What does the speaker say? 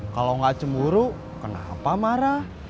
kalau nggak cemburu kenapa marah